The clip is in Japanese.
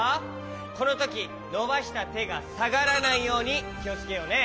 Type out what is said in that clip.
このときのばしたてがさがらないようにきをつけようね。